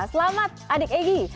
selamat adik egy